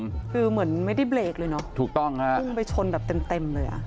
คือเหมือนไม่ได้เบรกเลยเนอะถูกต้องฮะพุ่งไปชนแบบเต็มเต็มเลยอ่ะ